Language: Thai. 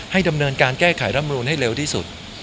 ดำเนินการแก้ไขรำนูนให้เร็วที่สุด